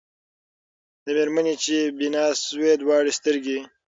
د مېرمني چي بینا سوې دواړي سترګي